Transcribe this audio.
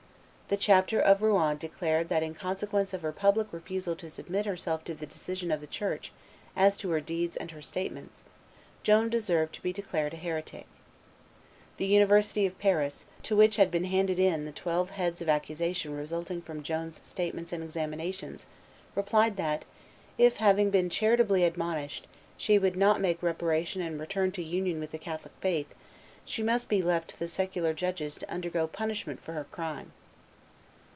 The chapter of Rouen declared that in consequence of her public refusal to submit herself to the decision of the Church as to her deeds and her statements, Joan deserved to be declared a heretic. The University of Paris, to which had been handed in the twelve heads of accusation resulting from Joan's statements and examinations, replied that "if, having been charitably admonished, she would not make reparation and return to union with the Catholic faith, she must be left to the secular judges to undergo punishment for her crime."